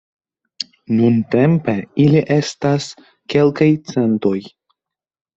Nuntempe ili estas kelkaj centoj.